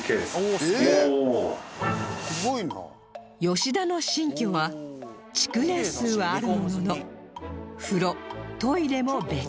吉田の新居は築年数はあるものの風呂トイレも別